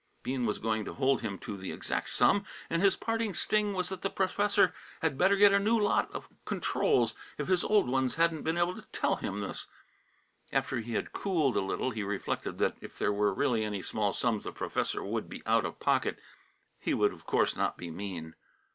Bean was going to hold him to the exact sum, and his parting sting was that the professor had better get a new lot of controls if his old ones hadn't been able to tell him this. After he had cooled a little he reflected that if there were really any small sums the professor would be out of pocket, he would of course not be mean.